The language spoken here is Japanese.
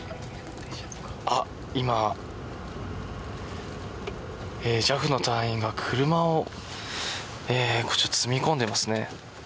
今、ＪＡＦの隊員が車を積み込んでいますね。